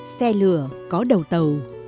xe lửa có đầu tàu